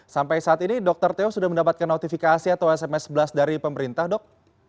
sampai saat ini dokter teo sudah mendapatkan notifikasi atau sms sebelas dari pemerintah dok